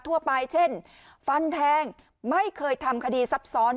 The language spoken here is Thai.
ทั่วไปเช่นฟันแทงไม่เคยทำคดีซับซ้อน